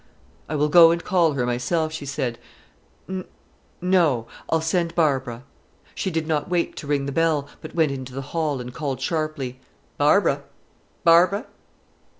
"I will go and call her myself," she said. "N no; I'll send Barbara." She did not wait to ring the bell, but went into the hall, and called sharply, "Barbara! Barbara!"